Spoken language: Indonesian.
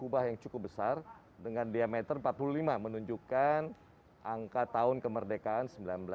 kubah yang cukup besar dengan diameter empat puluh lima menunjukkan angka tahun kemerdekaan seribu sembilan ratus sembilan puluh